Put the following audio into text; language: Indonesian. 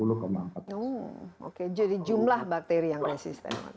hmm oke jadi jumlah bakteri yang resisten